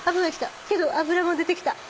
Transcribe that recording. けど油も出てきた。